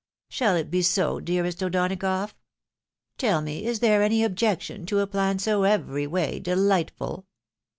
Shall it be so, dearest O'Donagough? TeU me, is there any objection to a plan so every way delightful?"